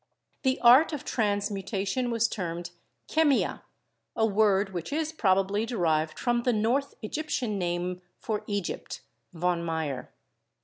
The art of transmutation was termed 'chemia/ a word which is probably derived from the North Egyptian name for Egypt (von Meyer).